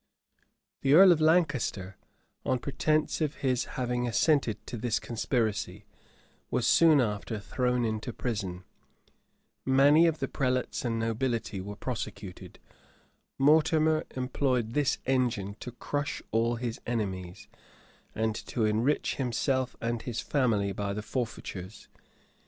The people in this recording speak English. The earl of Lancaster, on pretence of his having assented to this conspiracy, was soon after thrown into prison: many of the prelates and nobility were prosecuted: Mortimer employed this engine to crush all his enemies, and to enrich himself and his family by the forfeitures.